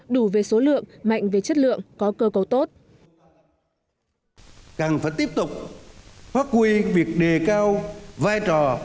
đủ về số lượng mạnh về chất lượng có cơ cầu tốt